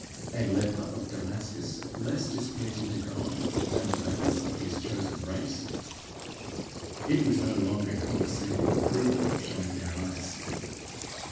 a leper of Damascus less displeasing to God than the lepers of his chosen race! It was no longer condescending approval that shone in their eyes.